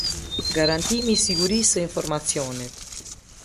Garantimi i sigurisë së informacionit.